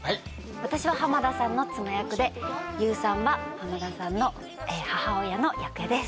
私は濱田さんの妻役でＹＯＵさんは濱田さんの母親の役です。